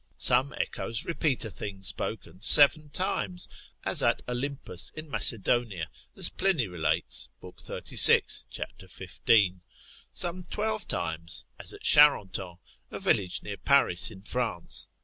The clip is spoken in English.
Some echoes repeat a thing spoken seven times, as at Olympus, in Macedonia, as Pliny relates, lib. 36. cap. 15. Some twelve times, as at Charenton, a village near Paris, in France.